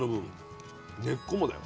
根っこもだよ。